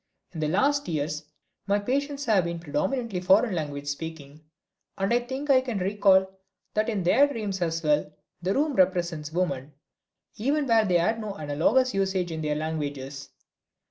In the last few years my patients have been predominantly foreign language speaking, and I think I can recall that in their dreams as well the room represents woman, even where they had no analogous usages in their languages.